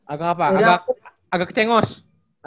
agak apa agak kecenguan